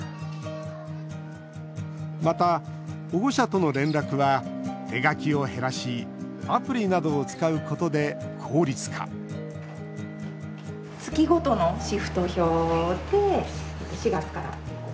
また、保護者との連絡は手書きを減らしアプリなどを使うことで効率化月ごとのシフト表で４月から。